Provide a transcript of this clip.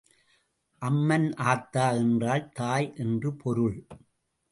அம்மன் ஆத்தா என்றால் தாய் என்று பொருள்.